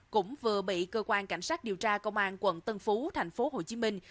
cũng vừa bị cơ quan cảnh sát điều tra công an quận tân phú thành phố hồ chí minh